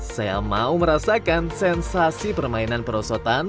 saya mau merasakan sensasi permainan perosotan